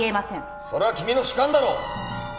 それは君の主観だろう！